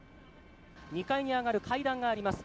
２階に上がる階段があります。